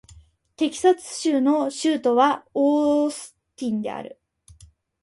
テキサス州の州都はオースティンである